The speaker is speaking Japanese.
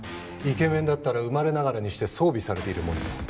イケメンだったら生まれながらにして装備されているものだ。